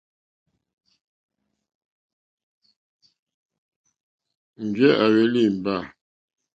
Njɛ̂ à hwélí ìmbâ.